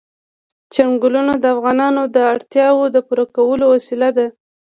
چنګلونه د افغانانو د اړتیاوو د پوره کولو وسیله ده.